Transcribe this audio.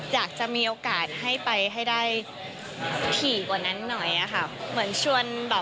หรืออาจจะมีโอกาสให้ไปให้ได้ถี่่บ่นนั้นหน่อยกันค่ะ